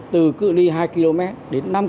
từ cự li hai km đến năm km